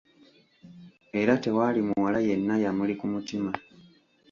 Era tewaali muwala yenna yamuli ku mutima.